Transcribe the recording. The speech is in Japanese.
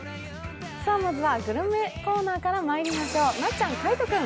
まずはグルメコーナーからまいりましょう。